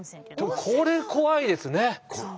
でもこれ怖いですね。